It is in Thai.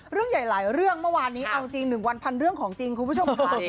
เรื่องใหญ่หลายเรื่องเมื่อวานนี้เอาจริง๑วันพันเรื่องของจริงคุณผู้ชมค่ะ